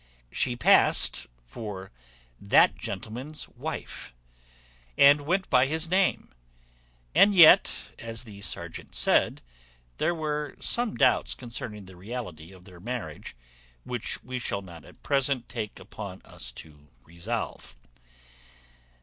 She past for that gentleman's wife, and went by his name; and yet, as the serjeant said, there were some doubts concerning the reality of their marriage, which we shall not at present take upon us to resolve.